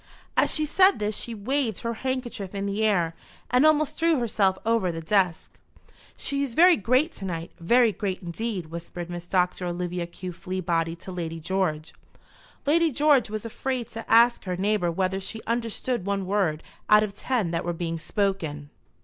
As she said this she waved her handkerchief in the air and almost threw herself over the desk. "She is very great to night, very great indeed," whispered Miss Doctor Olivia Q. Fleabody to Lady George. Lady George was afraid to ask her neighbour whether she understood one word out of ten that were being spoken.